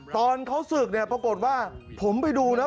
ตอนเขาสึกปรากฏว่าผมไปดูนะ